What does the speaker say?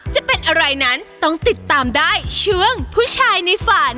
จะเป็นอะไรนั้นต้องติดตามได้ช่วงผู้ชายในฝัน